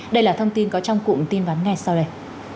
đây là thông tin có trong cụm tin vắn ngay sau đây